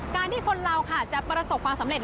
การที่คนเราจะประสบความสำเร็จ